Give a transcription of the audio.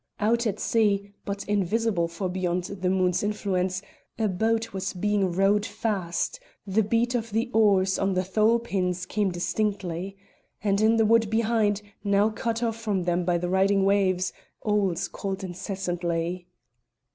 Out at sea, but invisible, for beyond the moon's influence, a boat was being rowed fast: the beat of the oars on the thole pins came distinctly. And in the wood behind, now cut off from them by the riding waves, owls called incessantly.